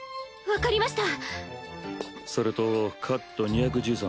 分かりました。